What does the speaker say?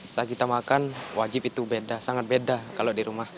saat kita makan wajib itu beda sangat beda kalau di rumah